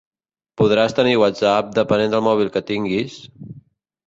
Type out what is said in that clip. Podràs tenir WhatsApp depenent del mòbil que tinguis